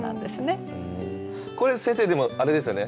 これ先生でもあれですよね？